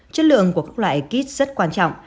chất lượng của các loại kit rất quan trọng